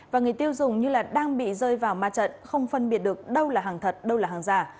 và người tiêu dùng như đang bị rơi vào ma trận không phân biệt được đâu là hàng thật đâu là hàng giả